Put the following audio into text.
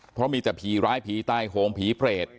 เพราะมีแต่ผีร้ายผีตายโหงผีเปรต